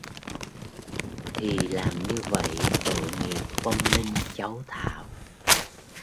Thì làm như vậy Tội nghiệp vong linh cháu Thảo